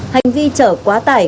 hành vi trở quá tải